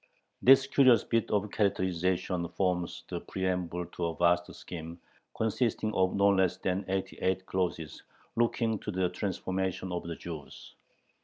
This curious bit of characterization forms the preamble to a vast scheme, consisting of no less than eighty eight clauses, looking to the "transformation of the Jews."